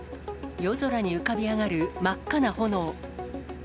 夜空に浮かび上がる真っ赤な炎。